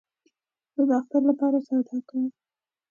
زه د اختر له پاره سودا کوم